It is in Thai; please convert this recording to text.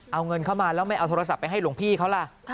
เอาเงินเข้ามาแล้วไม่เอาโทรศัพท์ไปให้หลวงพี่เขาล่ะ